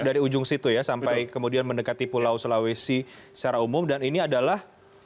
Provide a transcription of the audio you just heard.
dari ujung situ ya sampai kemudian mendekati pulau sulawesi secara umum dan ini adalah